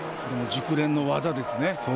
熟練の技ですね。